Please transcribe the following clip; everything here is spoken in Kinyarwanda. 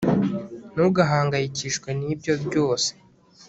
ntugahangayikishwe nibyo ryose